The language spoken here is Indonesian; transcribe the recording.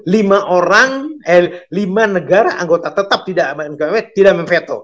lima negara anggota tidak memfeto